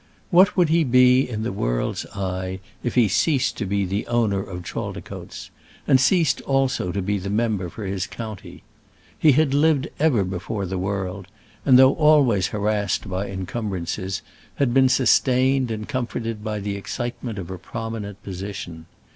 What would he be in the world's eye, if he ceased to be the owner of Chaldicotes, and ceased also to be the member for his county? He had lived ever before the world, and, though always harassed by encumbrances, had been sustained and comforted by the excitement of a prominent position.